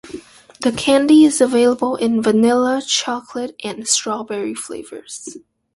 The candy is available in vanilla, chocolate, and strawberry flavors.